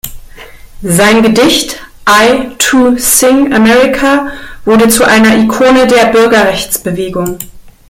Sein Gedicht I, Too, Sing America wurde zu einer Ikone der Bürgerrechtsbewegung.